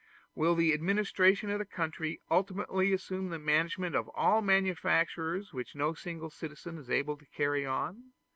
Will the administration of the country ultimately assume the management of all the manufacturers, which no single citizen is able to carry on?